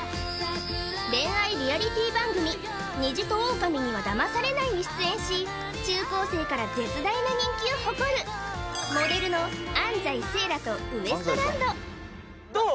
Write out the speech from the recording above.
恋愛リアリティー番組「虹とオオカミには騙されない」に出演し中高生から絶大な人気を誇るモデルの安斉星来とウエストランドどう？